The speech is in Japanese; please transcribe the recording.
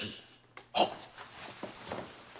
はっ！